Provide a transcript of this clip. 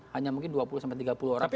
hanya mungkin dua puluh tiga puluh orang saja